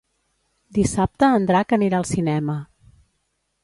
Dissabte en Drac anirà al cinema.